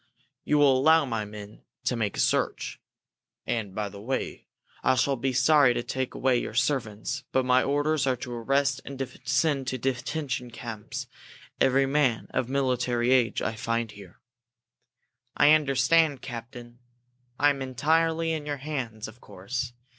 "You will allow my men to make a search? And, by the way, I shall be sorry to take away your servants, but my orders are to arrest and send to detention camps every man of military age I find here." "I understand, captain. I am entirely in your hands, of course.